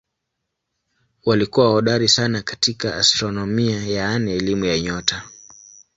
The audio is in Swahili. Walikuwa hodari sana katika astronomia yaani elimu ya nyota.